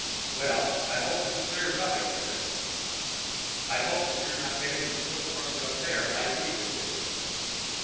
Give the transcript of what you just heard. Well, I hope this clears up everything. I hope you're not getting the snow storms up there like we've been getting them.